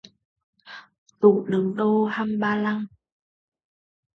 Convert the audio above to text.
Tủ đựng đồ hằm bà lằng